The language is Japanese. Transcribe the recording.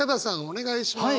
お願いします。